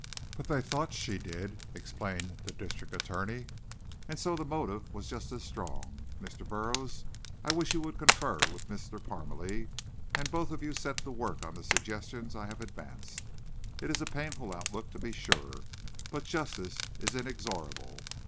"But they thought she did," explained the district attorney, "and so the motive was just as strong. Mr. Burroughs, I wish you would confer with Mr. Parmalee, and both of you set to work on the suggestions I have advanced. It is a painful outlook, to be sure, but justice is inexorable.